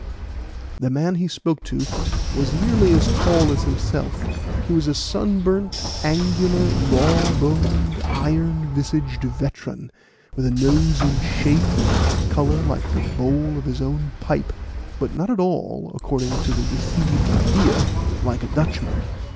The man he spoke to was nearly as tall as himself; he was a sunburnt, angular, raw boned, iron visaged veteran, with a nose in shape and color like the bowl of his own pipe, but not at all, according to the received idea, like a Dutchman.